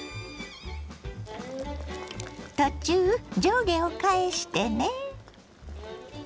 途中上下を返してね。